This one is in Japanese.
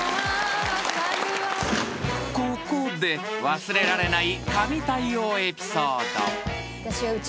［ここで忘れられない神対応エピソード］